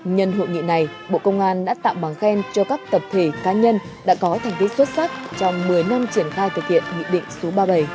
nhân hội nghị này bộ công an đã tặng bằng khen cho các tập thể cá nhân đã có thành tích xuất sắc trong một mươi năm triển khai thực hiện nghị định số ba mươi bảy